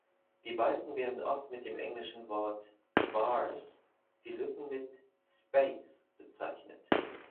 Die Balken werden oft mit dem englischen Wort "bars", die Lücken mit "space" bezeichnet.